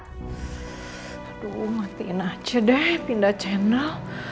aduh matiin aja deh pindah channel